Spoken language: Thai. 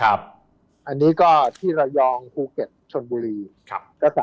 อันนี้ก็ที่ระยองภูเก็ตชนบุรีก็๓๕๔บาท